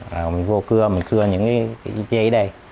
rồi mình vô cưa mình cưa những cái dây đây